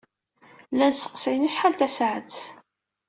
Llan sseqsayen acḥal tasaɛet.